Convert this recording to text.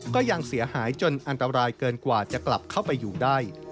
ก็ยังเสียหายจนอันตรายเกินกว่าจะกลับเข้าไปอยู่ได้